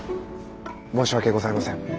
申し訳ございません。